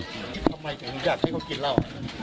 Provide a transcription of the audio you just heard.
ทำไมถึงอยากให้เขากินเหล้า